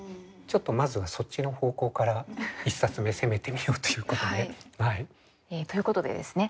まずはそっちの方向から１冊目攻めてみようということで。ということでですね